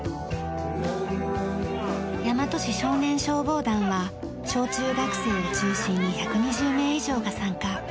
大和市少年消防団は小中学生を中心に１２０名以上が参加。